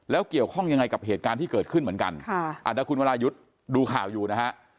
แล้วเกี่ยวข้องยังไงกับเหตุการณ์ที่เกิดขึ้นเหมือนกันค่ะอ่าเดี๋ยวคุณวรายุทธ์ดูข่าวอยู่นะฮะ